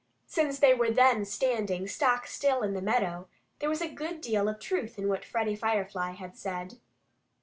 Since they were then standing stock still in the meadow, there was a good deal of truth in what Freddie Firefly said.